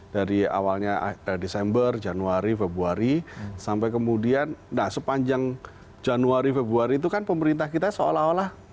dari awalnya desember januari februari sampai kemudian nah sepanjang januari februari itu kan pemerintah kita seolah olah